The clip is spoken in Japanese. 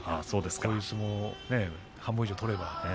こういう相撲を半分以上取れれば。